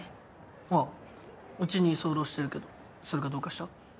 ああうちに居候してるけどそれがどうかした？